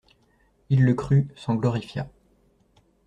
Il le crut, s'en glorifia.